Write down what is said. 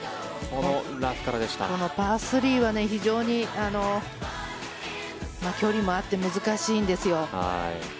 このパー３は非常に距離もあって難しいんですよ。